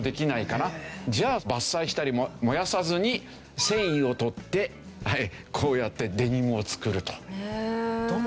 じゃあ伐採したり燃やさずに繊維を取ってこうやってデニムを作ると。